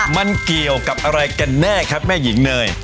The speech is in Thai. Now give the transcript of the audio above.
มันเกี่ยวกับอะไรกันแน่ครับแม่หญิงเนย